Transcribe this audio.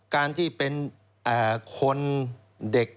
การที่เป็นคนเด็ก